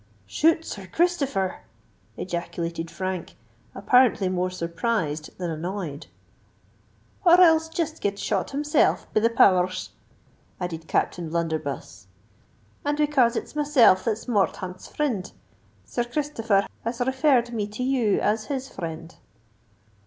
"Shoot Sir Christopher!" ejaculated Frank, apparently more surprised than annoyed. "Or else jist get shot himself, be the power rs!" added Captain O'Blunderbuss. "And it's becase it's myself that's Morthaunt's frind, Sir Christopher has referred me to you as his frind."